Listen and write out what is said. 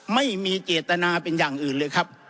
ไม่มีเจตนาเป็นอย่างอื่นเลยครับ